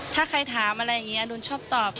ถ้าใครถามอะไรอย่างนี้ดุลชอบตอบ